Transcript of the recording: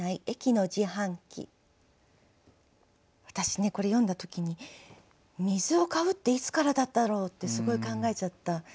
私ねこれ読んだ時に「水を買うっていつからだったろう？」ってすごい考えちゃった。